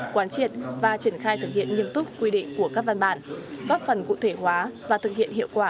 quán triệt và triển khai thực hiện nghiêm túc quy định của các văn bản góp phần cụ thể hóa và thực hiện hiệu quả